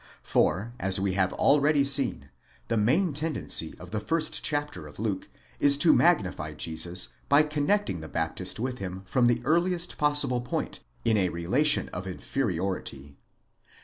For, as we have already seen, the main tendency of the first chapter of Luke is to magnify Jesus by connecting the Baptist with him from the earliest pos sible point in a relation of inferiority.